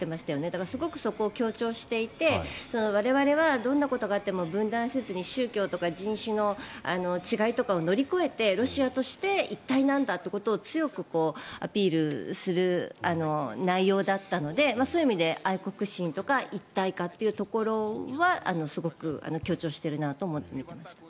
だから、すごくそこを強調していて我々はどんなことがあっても分断せずに宗教とか人種の違いとかを乗り越えてロシアとして一体なんだということを強くアピールする内容だったのでそういう意味で愛国心とか一体感というところはすごく強調してるなと思って見てました。